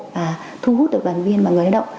và thu hút được đoàn viên và người lao động